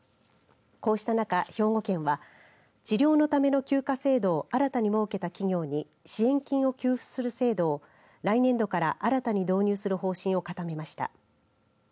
こうした中、兵庫県は治療のための休暇制度を新たに設けた企業に支援金を給付する制度を来年度から新たに導入する方針を固めました。